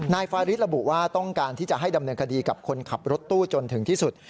ฟาริสระบุว่าต้องการที่จะให้ดำเนินคดีกับคนขับรถตู้จนถึงที่สุด